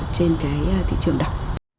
trên cái thị trường đọc